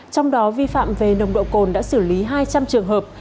trong đó vi phạm về nồng độ cồn đã xử lý hai trăm linh trường hợp